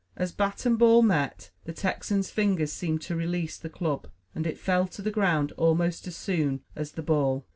As bat and ball met, the Texan's fingers seemed to release the club, and it fell to the ground almost as soon as the ball.